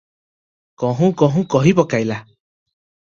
କହୁଁ କହୁଁ କହିପକାଇଲା ।